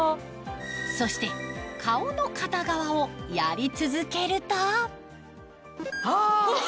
そして顔の片側をやり続けるとあ！